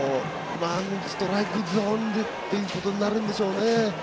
ストライクゾーンということになるんでしょうね。